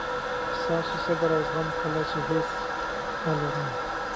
ستاسو صبر او زغم کله چې هیڅ نه لرئ.